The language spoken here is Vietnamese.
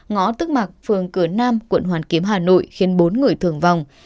ngõ tức mạc phường cửa nam quận hoàn kiếm hà nội khiến bốn người thường vòng